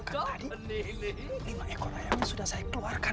kan tadi lima ekor ayam sudah saya keluarkan